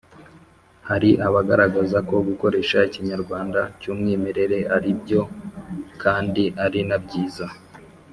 hari abagaragaza ko gukoresha ikinyarwanda cy’umwimerere ari byo kandi ari na byiza,